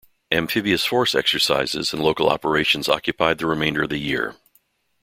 Amphibious force exercises and local operations occupied the remainder of the year.